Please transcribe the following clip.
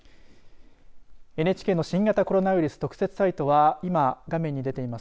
ＮＨＫの新型コロナウイルス特設サイトは今、画面に出ています